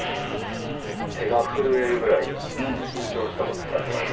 手が震えるぐらい緊張したことってありますか？